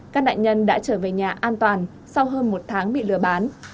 các nạn nhân đã trở về nhà an toàn sau hơn một tháng bị lừa bán